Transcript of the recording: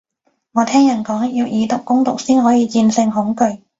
我聽人講，要以毒攻毒先可以戰勝恐懼